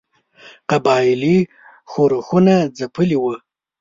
قبایلي ښورښونه ځپلي وه.